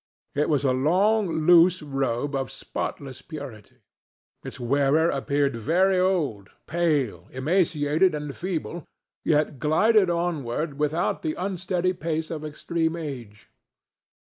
It was a long, loose robe of spotless purity. Its wearer appeared very old, pale, emaciated and feeble, yet glided onward without the unsteady pace of extreme age.